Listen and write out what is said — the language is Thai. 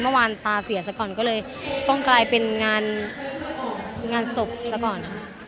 เมื่อวานตาเสียเสก่อนก็เลยต้องกลายเป็นงานงานสกต่อก่อน